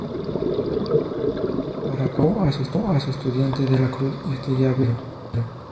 Para cuando bajó a su estudiante de la cruz, este ya había fallecido.